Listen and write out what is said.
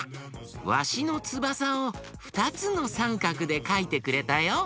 ワシのつばさをふたつのサンカクでかいてくれたよ。